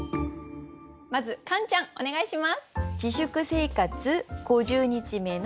まずカンちゃんお願いします。